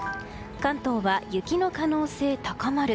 関東は雪の可能性高まる。